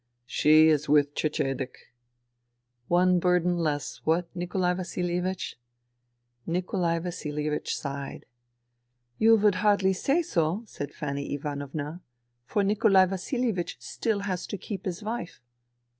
'" She is with Cecedek." " One burden less, what, Nikolai Vasilievich ?" Nikolai Vasilievich sighed. " You would hardly say so," said Fanny Ivanovna, " for Nikolai Vasilievich still has to keep his wife."